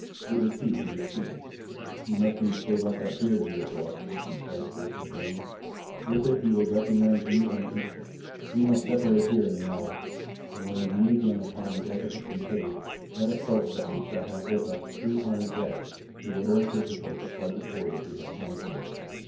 It was he who was speaking. "You must needs shave off that beard of yours, Alexis," he said to his companion. "With it he would recognize you on the instant. We must separate here in the hour, and when we meet again upon the deck of the Kincaid, let us hope that we shall have with us two honoured guests who little anticipate the pleasant voyage we have planned for them.